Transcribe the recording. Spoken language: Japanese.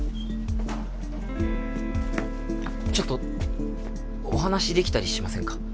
ちょっとお話しできたりしませんか？